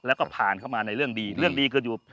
แล้วก็ผ่านเข้ามาในเรื่องดีเรื่องดีขึ้นอยู่